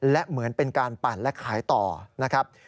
และเหมือนเป็นการปั่นและขายต่อนะครับ